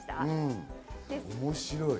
面白い。